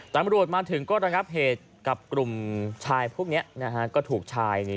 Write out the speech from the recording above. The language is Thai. ตำรวจมาถึงก็ระงับเหตุกับกลุ่มชายพวกนี้นะฮะก็ถูกชาย